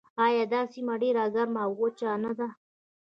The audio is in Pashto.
آیا دا سیمه ډیره ګرمه او وچه نه ده؟